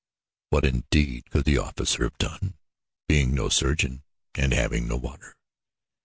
What, indeed, could the officer have done, being no surgeon and having no water?